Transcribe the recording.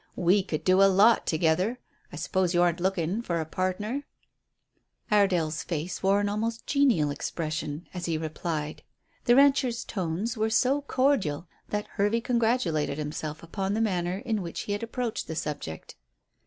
We could do a lot together. I suppose you aren't looking for a partner?" Iredale's face wore an almost genial expression as he replied. The rancher's tones were so cordial that Hervey congratulated himself upon the manner in which he had approached the subject.